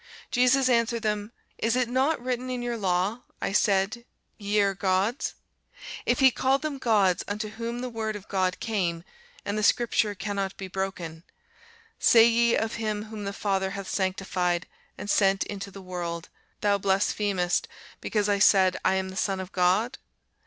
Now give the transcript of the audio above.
Jesus answered them, Is it not written in your law, I said, Ye are gods? If he called them gods, unto whom the word of God came, and the scripture cannot be broken; say ye of him, whom the Father hath sanctified, and sent into the world, Thou blasphemest; because I said, I am the Son of God?